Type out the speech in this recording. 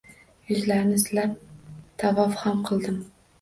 Yuzlarini silab, tavof ham qildim